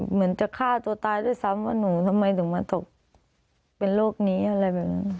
เหมือนจะฆ่าตัวตายด้วยซ้ำว่าหนูทำไมถึงมาตกเป็นโรคนี้อะไรแบบนี้